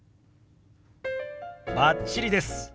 バッチリです。